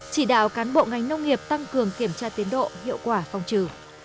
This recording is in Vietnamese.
chỉ đạo cán bộ ngành nông nghiệp tăng cường kiểm tra tiến độ hiệu quả phong trừ